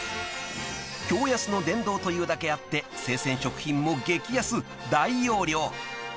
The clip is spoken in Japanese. ［というだけあって生鮮食品も激安大容量］